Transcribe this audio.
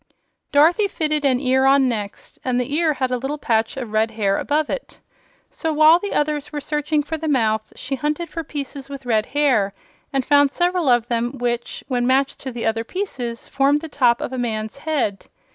Dorothy fitted an ear on next, and the ear had a little patch of red hair above it. So while the others were searching for the mouth she hunted for pieces with red hair, and found several of them which, when matched to the other pieces, formed the top of a man's head.